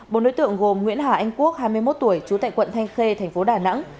bốn đối tượng gồm nguyễn hà anh quốc hai mươi một tuổi trú tại quận thanh khê thành phố đà nẵng